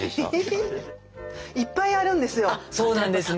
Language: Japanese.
いっぱいあるんですよ。